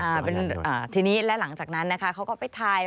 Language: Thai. ครับที่นี้ละหลังจากนั้นนะคะเขาก็ไปถ่าย